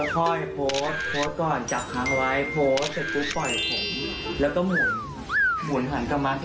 คุณแฟน